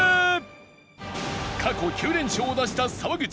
過去９連勝を出した沢口